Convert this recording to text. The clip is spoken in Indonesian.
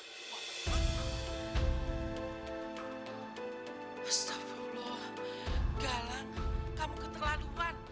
astagfirullah galang kamu keterlaluan